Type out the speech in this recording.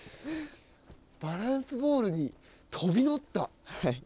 バランスボールに飛び乗った。